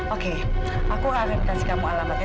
oke aku kasih kamu alamatnya